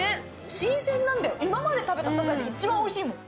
新鮮なんだよ、今まで食べたさざえで一番おいしいもん。